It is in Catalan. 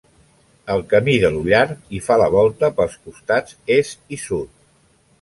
El Camí de l'Ullar hi fa la volta pels costats est i sud.